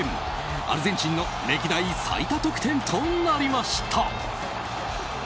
アルゼンチンの歴代最多得点となりました。